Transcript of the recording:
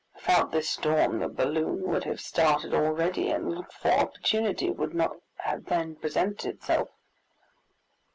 Without this storm the balloon would have started already and the looked for opportunity would not have then presented itself.